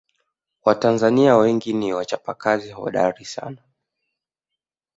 watanzania wengi ni wachapakazi hodari sana